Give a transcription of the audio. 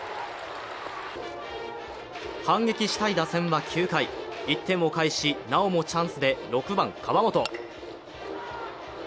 反撃したい打線は９回、１点を返し、なおもチャンスで６番・川元。